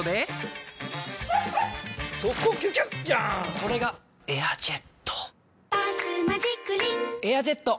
それが「エアジェット」「バスマジックリン」「エアジェット」！